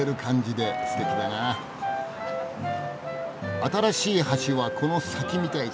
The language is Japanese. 新しい橋はこの先みたいだ。